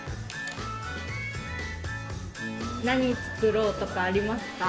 何作ろうとかありますか？